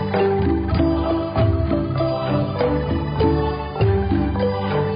ที่สุดท้ายที่สุดท้ายที่สุดท้าย